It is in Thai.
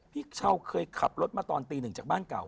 พี่เช้าเคยขับรถมาตอนตีหนึ่งจากบ้านเก่า